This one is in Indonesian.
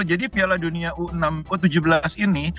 jadi piala dunia u enam u tujuh belas ini